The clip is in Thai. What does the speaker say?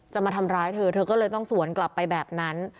มาทำร้ายเธอเธอก็เลยต้องสวนกลับไปแบบนั้น